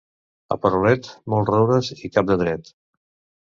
A Perolet, molts roures i cap de dret.